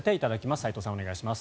斎藤さん、お願いします。